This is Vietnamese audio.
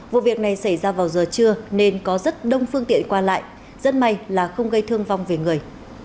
vụ việc này xảy ra vào giờ trưa nên có rất đông phương tiện qua lại rất may là không gây thương vong về người